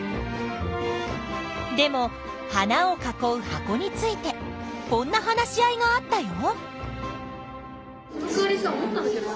でも花を囲う箱についてこんな話し合いがあったよ。